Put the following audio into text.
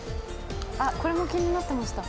あっこれも気になってました。